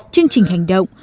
chương trình hành động